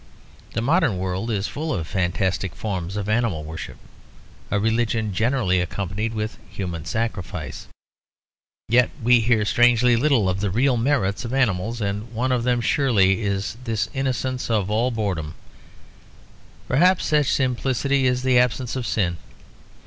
The modern world is full of fantastic forms of animal worship; a religion generally accompanied with human sacrifice. Yet we hear strangely little of the real merits of animals; and one of them surely is this innocence of all boredom; perhaps such simplicity is the absence of sin.